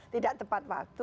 tidak tepat waktu